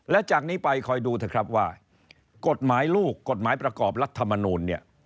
และจากนี้ไปคอยดูเถอะครับว่ากฎหมายลูกกฎหมายประกอบรัฐมนูลเนี่ย